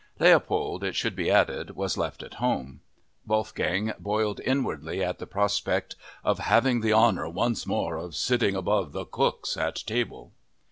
Leopold, it should be added, was left at home. Wolfgang boiled inwardly at the prospect of "having the honor once more of sitting above the cooks at table."